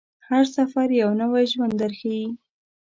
هر سفر یو نوی ژوند درښيي.